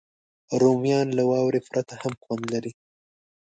رومیان له واورې پرته هم خوند لري